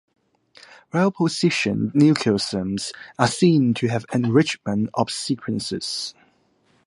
Well positioned nucleosomes are seen to have enrichment of sequences.